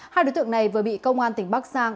hai đối tượng này vừa bị công an tỉnh bắc giang